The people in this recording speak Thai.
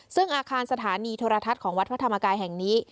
ซึ่งอาคารสถานีโทรทัศน์ของวัดพระธรรมกายแห่งนี้